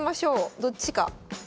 どっちか。